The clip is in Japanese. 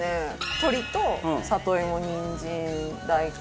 鶏と里芋にんじん大根。